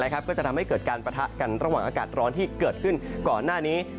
ก็จะทำให้เกิดการปะทะกันระหว่างอากาศร้อนที่เกิดขึ้นก่อนหน้านี้